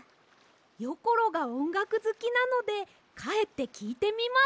よころがおんがくずきなのでかえってきいてみます！